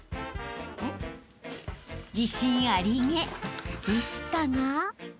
［自信ありげでしたが］